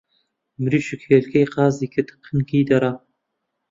مریشک هێلکهی قازی کرد قنگی دڕا